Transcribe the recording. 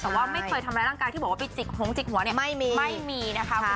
แต่ว่าไม่เคยทำร้ายร่างกายที่บอกว่าไปจิกหงจิกหัวเนี่ยไม่มีไม่มีนะคะ